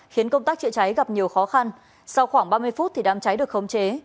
khiến công tác chữa cháy gặp nhiều khó khăn sau khoảng ba mươi phút đám cháy được khống chế